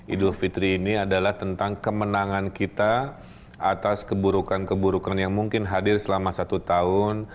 idul fitri ini adalah tentang kemenangan kita atas keburukan keburukan yang mungkin hadir selama satu tahun